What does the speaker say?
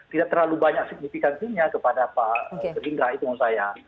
tidak terlalu banyak signifikan dunia kepada pak jendral itu masaya